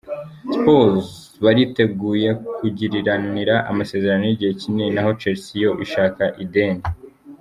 Spurs bariteguye kugiriranira amasezerano y'igihe kinini n'aho Chelsea yo ishaka ideni.